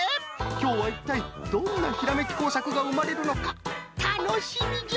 きょうはいったいどんなひらめきこうさくがうまれるのかたのしみじゃ！